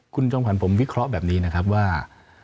คุณจอมขวัญผมวิเคราะห์แบบนี้นะครับว่า